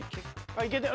いけてる。